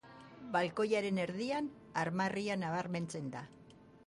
Balkoiaren erdian, armarria nabarmentzen da.